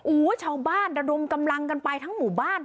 โอ้โหชาวบ้านระดมกำลังกันไปทั้งหมู่บ้าน